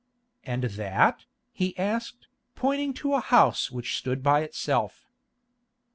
"And that?" he asked, pointing to a house which stood by itself.